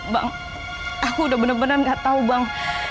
bang aku udah bener bener nggak tahu bang